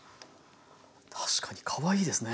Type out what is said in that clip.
確かにかわいいですね。